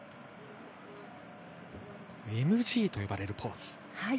ＭＧと呼ばれるポーズ。